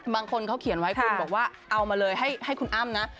บางคนเขาเขียนไว้คุณบอกว่าเอามาเลยให้คุณอ้ำนะ